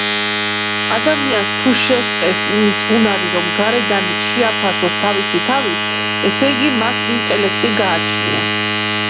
ადამიანს თუ შესწევს იმის უნარი, რომ გარედან შეაფასოს თავისი თავი, ესეიგი მას ინტელექტი გააჩნია